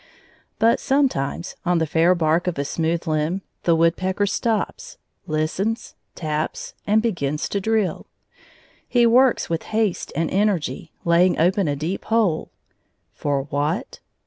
But sometimes, on the fair bark of a smooth limb, the woodpecker stops, listens, taps, and begins to drill. He works with haste and energy, laying open a deep hole. For what?